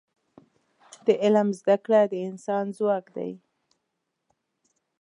د علم زده کړه د انسان ځواک دی.